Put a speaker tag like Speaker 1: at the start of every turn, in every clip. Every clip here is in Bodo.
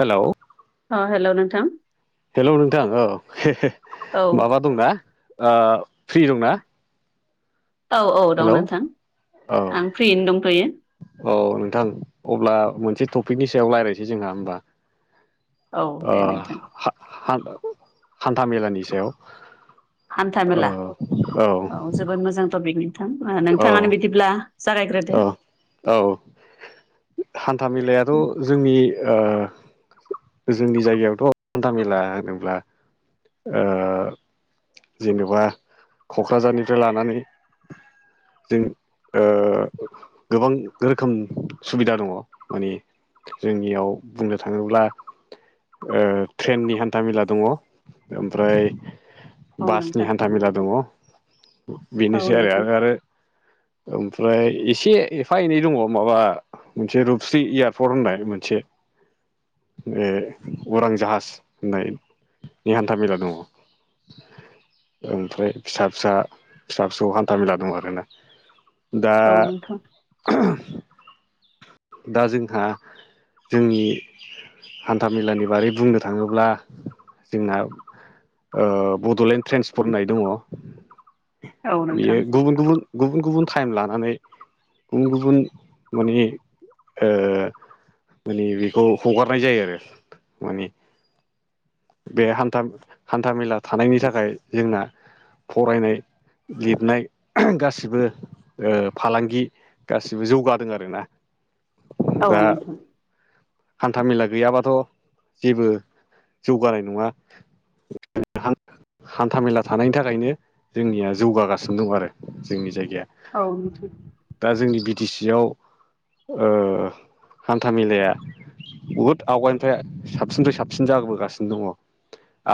Speaker 1: हेलौ
Speaker 2: अ हेलौ नोंथां
Speaker 1: हेलौ नोंथां औ
Speaker 2: औ
Speaker 1: माबा दंना ओ फ्रि दंना
Speaker 2: औ औ
Speaker 1: हेल'
Speaker 2: दं नोंथां
Speaker 1: औ
Speaker 2: आं फ्रियैनो दंथ'यो
Speaker 1: औ नोंथां अब्ला मोनसे थफि पिकनि सायाव रायज्लायसै जोंहा होमबा
Speaker 2: औ दे नोंथां
Speaker 1: हान हान्था मेलानि सायाव
Speaker 2: हान्था
Speaker 1: ओ
Speaker 2: मेला औ जोबोद मोजां टपिक नोंथां
Speaker 1: औ
Speaker 2: नोंथाङानो बिदिब्ला जागायग्रोदो
Speaker 1: औ औ हान्था मेलायाथ जोंनि ओ जोंनि जायगायावथ हान्था मेला होनोब्ला ओ जेनेबा कक्राझारनिफ्राय लानानै जों ओ गोबां रोखोम सुबिदा दङ मानि जोंनियाव बुंनो थांङोब्ला ओ ट्रेननि हान्थाामेला दङ ओमफ्राय
Speaker 2: औ
Speaker 1: बासनि
Speaker 2: नोंथां
Speaker 1: हान्था मेला दङ
Speaker 2: औ
Speaker 1: बेनोसै
Speaker 2: नोंथां
Speaker 1: आरो आरो ओमफ्राय एसे एफा एनै दङ माबा मोनसे रुपस्रि एयारपर्ट होननाय मोनसे बे उरां जाहाज होननाय नि हान्था मेला दङ ओमफ्राय फिसा फिसा फिसा फिसौ हान्था मेला दं आरोना दा
Speaker 2: औ
Speaker 1: [inaudible]
Speaker 2: नोंथां
Speaker 1: दा जोंहा जोंनि हान्था मेलानि बारै बुंनो थांङोब्ला जोंना ओ बडलेण्ड ट्रेन्सपर होननाय दङ
Speaker 2: औ
Speaker 1: बेयो
Speaker 2: नोंथां
Speaker 1: गुबुन गुबुन गुबुन गुबुन टाइम लानानै गुबुन गुबुन माने ओ माने बेखौ हगारनाय जायो आरो माने बे हान्था हान्थामेला थानायनि थाखाय जोंना फरायनाय लिरनाय गासिबो ओ फालांगि गासिबो जौगादों आरोना
Speaker 2: औ
Speaker 1: दा
Speaker 2: नोंथां
Speaker 1: हान्था मेला गैयाबाथ जेबो जौगानाय नङा [unintelligible] हान्था मेला थानायनि थाखायनो जोंनिया जौगागासिनो दं आरो जोंनि जायगायाव गैया
Speaker 2: औ नोंथां
Speaker 1: दा जोंनि बि टि सि आव ओ हान्था मेलाया बुहुद आवगायनिफ्राय साबसिननिफ्राय साबसिन जागोबोगासिनो दङ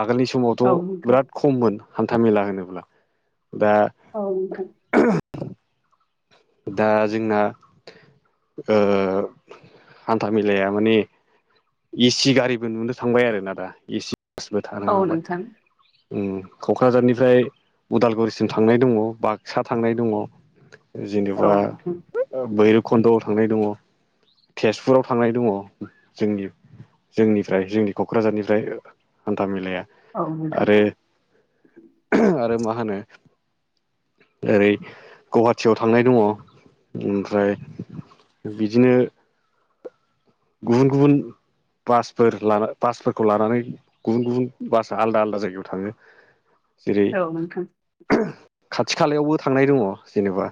Speaker 1: आगोलनि समावथ'
Speaker 2: औ नोंथां औ नोंथां
Speaker 1: बिराद खममोन हान्थामेला होनोब्ला दा-दा जोंना ओ हान्था मेलाया माने ए सि गारिबो नुनो थांबाय आरोना दा ए सि बासबो थानो
Speaker 2: औ
Speaker 1: हांबाय
Speaker 2: नोंथां
Speaker 1: ओम क'क्राझारनिफ्राय उदालगुरिसिम थांनाय दङ बाक्सा थांनाय दङ।
Speaker 2: औ
Speaker 1: जेनेबा
Speaker 2: नोंथां
Speaker 1: बैर कन्दआव थांनाय दङ तेजपुराव थांनाय दङ जोंनि जोंनिफ्राय जोंनि क'क्राझारनिफ्राय हान्था मेलाया
Speaker 2: औ नोंथां
Speaker 1: आरो आरो मा होनो ओरै गुवाहाटियाव थांनाय दङ ओमफ्राय बिदिनो गुबुन गुबुन बासफोर लाना बासफोरखौ लानानै गुबुन गुबुन बास आलदा आलदा जायगायाव थाङो। [inaudible] जेरै
Speaker 2: औ नोंथां
Speaker 1: खाथि खालायावबो थांनाय दङ जेनेबा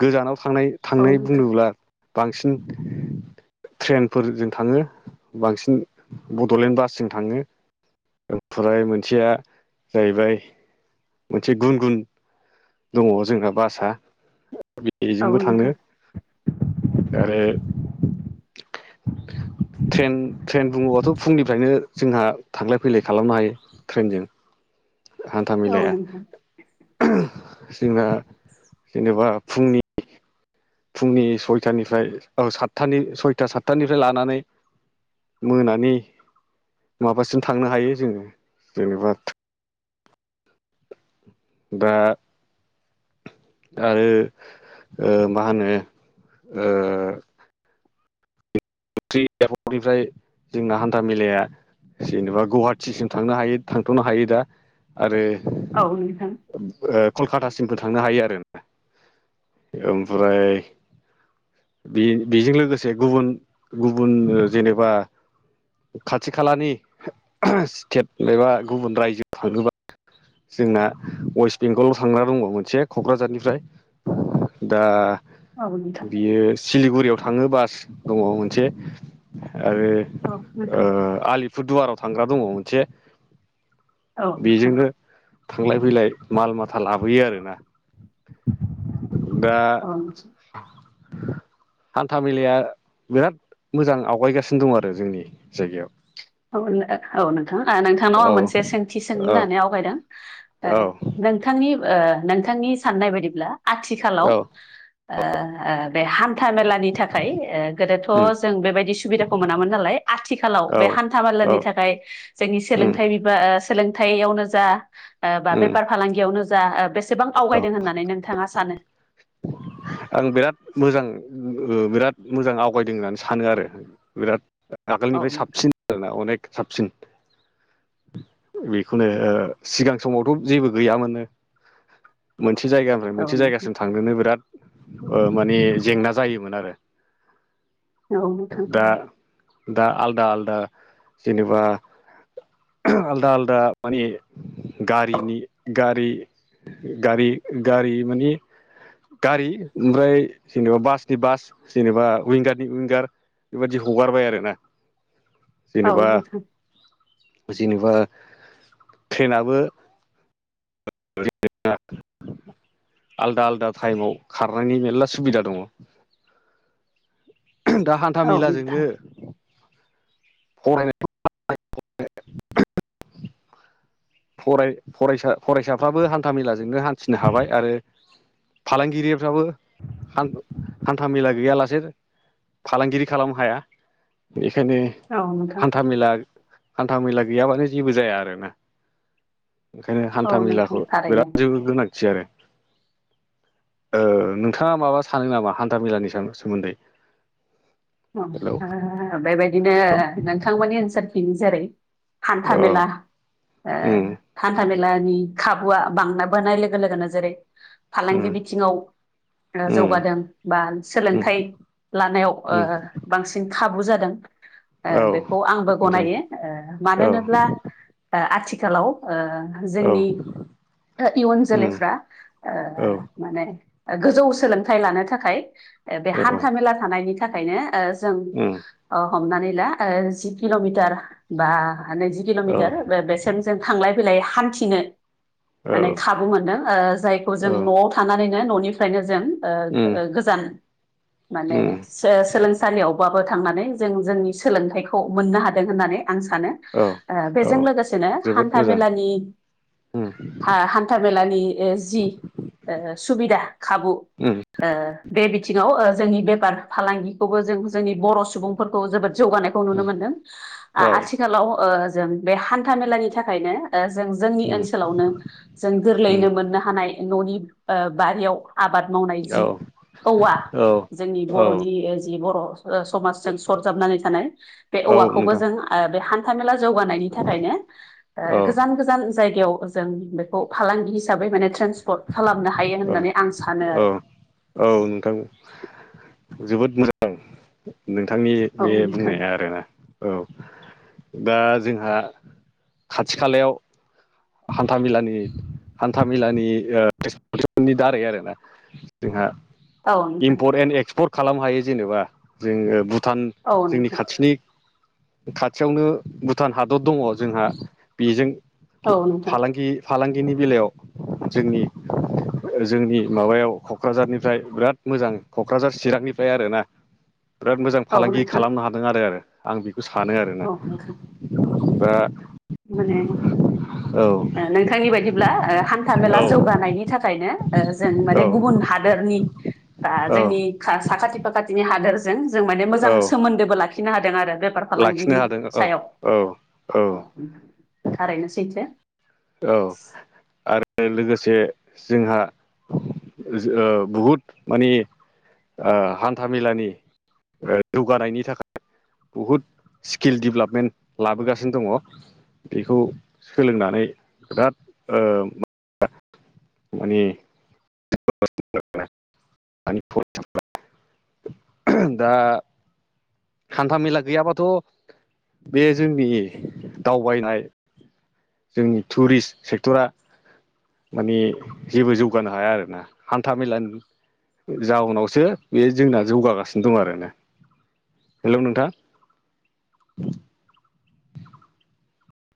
Speaker 1: गोजानाव थांनाय
Speaker 2: औ नोंथां औ
Speaker 1: थांनाय
Speaker 2: नोंथां
Speaker 1: बुंनोब्ला बांसिन ट्रेनफोरजों थाङो। बांसिन बड'लेण्ड बासजों थाङो ओमफ्राय मोनसेया जाहैबाय मोनसे गुन गुन दङ जोंना बासआ
Speaker 2: औ
Speaker 1: बेजोंबो थाङो
Speaker 2: नोंथां
Speaker 1: आरो ट्रेन ट्रेन बुंङोबाथ' फुंनिफ्रायनो जोंहा थांलाय फैलाय खालामनो हायो ट्रेनजों हान्था
Speaker 2: औ
Speaker 1: मेलाया
Speaker 2: नोंथां
Speaker 1: जोंना जेनेबा फुंनि फुंनि सयथानिफ्राय औ सातथानि सयथा सातथानिफ्राय लानानै मोनानि माबासिम थांनो हायो जोङो जेनेबा दा आरो ओ मा होनो ओ [unintelligible] फ्राय जोंना हान्था मेलाया जेनेबा गुवाहाटिसिम थांनो हायो थांथ'नो हायो दा आरो
Speaker 2: औ नोंथां
Speaker 1: ओ कलकातासिमबो थांनो हायो आरो ओमफ्राय बे-बेजों लोगोसे गुबुन गुबुन ओ जेनेबा खाथि खालानि स्टेट एबा गुबुन रायजोआव थांनोबा जोंना वेस्ट बेंगलाव थांग्रा दङ मोनसे क'क्राझारनिफ्राय दा
Speaker 2: औ नोंथां औ
Speaker 1: बियो सिलिगुरियाव थाङो बास दङ मोनसे आरो ओ आलिपुरदुवाराव थांग्रा दङ मोनसे
Speaker 2: औ नोंथां।
Speaker 1: बेजोंनो थांलाय फैलाय माल माथा लाबोयो आरोना? दा
Speaker 2: औ
Speaker 1: हान्था मेलाया बिराद मोजां आवगायगासिनो दं आरो जोंनि जायगायाव
Speaker 2: औ नोंथां नोंथांनाव
Speaker 1: औ
Speaker 2: आं मोनसे सोंथि सों
Speaker 1: औ
Speaker 2: होननानै आवगायदों ओ
Speaker 1: औ
Speaker 2: नोंथांनि ओ नोंथांनि साननाय बायदिब्ला आथिखालाव
Speaker 1: औ
Speaker 2: ओ बे हा हान्था मेलानि थाखाय गोदोथ'
Speaker 1: उम
Speaker 2: जों बेबायदि सुबिदाखौ मोनामोन नालाय आथिखालाव
Speaker 1: औ
Speaker 2: बे हान्था
Speaker 1: औ
Speaker 2: मालानि थाखाय जोंनि
Speaker 1: उम
Speaker 2: सोलोंथाइ बिबा सोलोंथायाइयावनो जा बा
Speaker 1: उम
Speaker 2: बेफार फालांगियावनो जा बेसेबां
Speaker 1: औ
Speaker 2: आवगायदों होननानै नोंथाङा सानो?
Speaker 1: [inaudible] आं बिराद मोजां बिराद मोजां आवगायदों होननानै सानो आरो बिराद।
Speaker 2: औ
Speaker 1: आगोलनिफ्राय
Speaker 2: नोंथां
Speaker 1: साबसिन आरोना अनेक साबसिन बेखौनो सिगां समावथ' जेबो गैयामोननो मोनसे जायगानिफ्राय मोनसे जायगासिम थांनोनो बिराद माने जेंना जायोमोन आरो
Speaker 2: औ नोंथां
Speaker 1: दा दा आलदा आलदा जेनेबा आलदा आलदा मानिे गारिनि गारि गारि गारि माने गारि ओमफ्राय जेनेबा बासनि बास जेनेबा उइंगारनि उइंगार बेबादि हगारबाय आरोना
Speaker 2: औ,
Speaker 1: जेनेबा जेनेबा ट्रेनाबो [unintelligible] आलदा आलदा टाइमाव खारनायनि मेलला सुबिदा दङ। दा हान्था
Speaker 2: औ नोंथां औ
Speaker 1: मेलाजोंनो
Speaker 2: नोंथां
Speaker 1: [unintelligible] फरायसाफ्राबो हान्था मेलाजोंनो हान्थिनो हाबाय आरो फालांगिरिफ्राबो हान्था मेला गैयालासे फालांगिरि खालामनो हाया बे बेखायनो
Speaker 2: औ नोंथां
Speaker 1: हान्था मेला हान्था मेला गैयाबानो जेबो जाया आरोना ओंखायनो
Speaker 2: औ
Speaker 1: हान्था
Speaker 2: नोंथां
Speaker 1: मेलाखौ
Speaker 2: थारैनो
Speaker 1: बिराद गोनांथि आरो नोंथाङा माबा सानो नामा हान्थाामेलानि सोमोन्दै? हेलौ
Speaker 2: बेबायदिनो नोंथांमोननि नसार फिनो जेरै हान्था
Speaker 1: औ
Speaker 2: मेला
Speaker 1: उम
Speaker 2: थान्था मेला खाबुआ बांना बोनाय लोगो लोगोनो जेरै,
Speaker 1: उम
Speaker 2: फालांगि बिथिङाव
Speaker 1: उम
Speaker 2: जौगादों बा
Speaker 1: उम
Speaker 2: सोलोंथाइ लानायाव
Speaker 1: उम
Speaker 2: बांसिन खाबु जादों।
Speaker 1: औ
Speaker 2: बेखौ आंबो
Speaker 1: नोंथां
Speaker 2: गनायो
Speaker 1: औ
Speaker 2: मानो होनोब्ला आथिखाल आथिखालाव, जोंनि इयुन
Speaker 1: उम
Speaker 2: जोलैफ्रा
Speaker 1: औ
Speaker 2: माने गोजौ सोलोंथाइ लानो थाखाय बे
Speaker 1: औ
Speaker 2: हान्था मेला थानायनि थाखायनो जों
Speaker 1: उम
Speaker 2: हमनानै ला जि किल'मिटार बा नैजि
Speaker 1: औ
Speaker 2: किल'मिटार [unintelligible] जों थांलाय फैलाय हान्थिनो
Speaker 1: औ
Speaker 2: माने खाबु मोनदों जायखौ जों न'आव थानानैनो न'निफ्रायनो जों
Speaker 1: उम
Speaker 2: गोजान माने
Speaker 1: उम
Speaker 2: सोलोंसालियावबाबो थांनानै जों जोंनि सोलोंथाइखौ मोननो हादों होननानै आं सानो
Speaker 1: औ औ
Speaker 2: बेजों लोगोसेनो
Speaker 1: जोबोद
Speaker 2: हान्था
Speaker 1: मोजां
Speaker 2: मेलानि
Speaker 1: उम
Speaker 2: हान्थ मेलानि जि सुबिदा खाबु
Speaker 1: उम
Speaker 2: बे बिथिङाव जोंनि बेफार फालांगिखौबो जों जोंनि बर' सुबुंफोरखौ जोबोद जौगानायखौ नुनो
Speaker 1: उम
Speaker 2: मोनदों
Speaker 1: औ
Speaker 2: आथिखालाव जों बे हान्था मेलानि थाखायनो जों जोंनि
Speaker 1: उम
Speaker 2: ओनसोलावनो जों
Speaker 1: उम
Speaker 2: गोरलैयैनो मोननो हानाय न'नि बारियाव आबाद मावनाय
Speaker 1: औ
Speaker 2: जि औवा
Speaker 1: औ
Speaker 2: जोंनि
Speaker 1: औ
Speaker 2: बर'नि जि बर' समाजजों सरजाबनानै थानाय बे
Speaker 1: औ
Speaker 2: औवाखौबो
Speaker 1: नोंथां
Speaker 2: जों बे हान्था मेला जौगानायनि थाखायनो
Speaker 1: औ
Speaker 2: गोजान गोजान जायगायाव जों बेखौ फालांगि हिसाबै माने ट्रेन्सपर्ट खालामनो हायो
Speaker 1: औ
Speaker 2: होननानै आं सानो
Speaker 1: औ
Speaker 2: आरो।
Speaker 1: औ नोंथां जोबोद मोजां नोंथांनि
Speaker 2: औ
Speaker 1: बे
Speaker 2: नोंथां
Speaker 1: बुंनाया आरोना औ दा जोंहा खाथि खालायाव हान्था मेलानि हान्था मेलानि नि दारै आरो ना जोंहा
Speaker 2: औ नोंथां
Speaker 1: इमपर्ट एन्ड एक्सपर्ट खालामनो हायो जेनेबा जोङो भुटान
Speaker 2: औ
Speaker 1: जोंनि
Speaker 2: नोंथां
Speaker 1: खाथिनि खाथियावनो भुटान हादर दङ जोंहा बेजों
Speaker 2: औ नोंथां
Speaker 1: फालांगि फालांगिनि बेलायाव जोंनि जोंनि माबायाव कक्राझारनिफ्राय बिराद मोजां कक्राझार चिरांनिफ्राय आरोना बिराद मोजां
Speaker 2: औ
Speaker 1: फालांगि
Speaker 2: नोंथां
Speaker 1: खालामनो हादों आरो आरो आं बेखौ सानो आरोना
Speaker 2: औ नोंथां
Speaker 1: दा
Speaker 2: माने
Speaker 1: औ
Speaker 2: नोंथांनि बायदिब्ला हान्था मेला
Speaker 1: औ
Speaker 2: जौगानायनि थाखायनो जों
Speaker 1: औ
Speaker 2: माने गुबुन हादोरनि
Speaker 1: औ
Speaker 2: जोंनि साखाथि फाखाथिनि हादोरजों जों माने मोजां
Speaker 1: औ
Speaker 2: सोमोन्दोबो लाखि खिनो हादों आरो बेफार
Speaker 1: लाखिनो
Speaker 2: फालांगिनि
Speaker 1: हादों औ
Speaker 2: सायाव
Speaker 1: औ औ
Speaker 2: थारैनो सैते ।
Speaker 1: औ आरो लोगोसे जोंहा ओ बहुद माने ओ हान्था मेलानि जौगानायनि थाखाय बहुद स्किल डेभेलपमेन्ट लाबोगासिनो दङ बेखौ सोलोंनानै बिराद ओ मानि [unintelligible] दा हान्था मेला गैयाबाथ बे जोंनि दावबायनाय जोंनि टुरिस्ट सेक्टरा माने जेबो जौगानो हाया आरोना हान्था मेलानि जाउनावसो बे जोंना जौगागासिनो दं आरोना । हेलौ नोंथां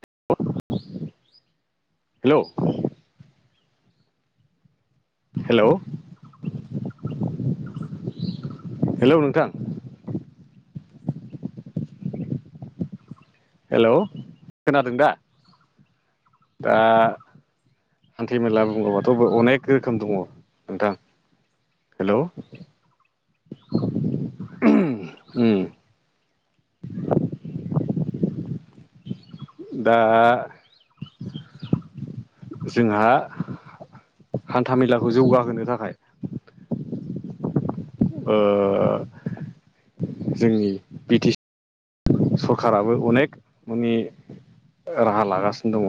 Speaker 1: औ हेलौ हेलौ हेलौ नोंथां हेलौ खोनादों दा दा हान्थि मेला बुंङोबाथ अनेक रोखोम दङ नोंथां हेलौ [inaudible] दा जोंहा हान्था मेलाखौ जौगाहोनो थाखाय ओ जोंनि बि टि सि सरखाराराबो अनेक मानि राहा लागासिनो दङ